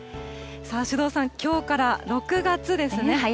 首藤さん、きょうから６月ですね。